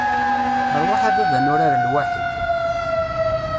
Ṛwaḥ a baba ad nurar lwaḥid!